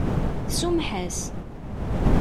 Tsumeḥ-as.